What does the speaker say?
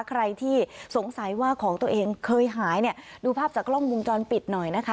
ใครที่สงสัยว่าของตัวเองเคยหายเนี่ยดูภาพจากกล้องวงจรปิดหน่อยนะคะ